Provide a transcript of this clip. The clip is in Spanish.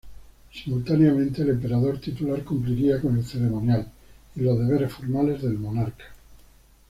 Simultáneamente, el emperador titular cumpliría con el ceremonial y los deberes formales del monarca.